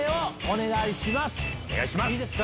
お願いします！